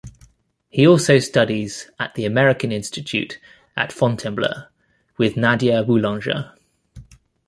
He also studies at The American Institute at Fontainebleau with Nadia Boulanger.